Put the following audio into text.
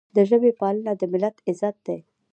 د ژبې پالنه د ملت عزت دی.